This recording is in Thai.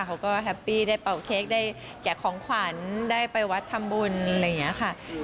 เขาก็แฮปปี้ได้เป่าเค้กได้แจกของขวัญได้ไปวัดทำบุญอะไรอย่างนี้ค่ะ